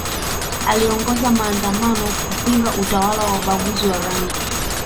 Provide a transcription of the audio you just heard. aliongoza maandamano kupinga utawala wa ubaguzi wa rangi